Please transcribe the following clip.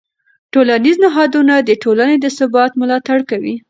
ټولنیز نهادونه د ټولنې د ثبات ملاتړ کوي.